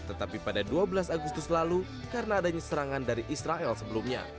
tetapi pada dua belas agustus lalu karena adanya serangan dari israel sebelumnya